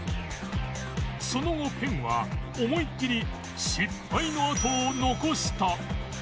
その後ペンは思いっきり失敗の跡を残した